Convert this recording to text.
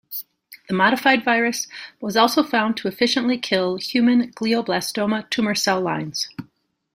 The modified virus was also found to efficiently kill human glioblastoma tumour cell lines.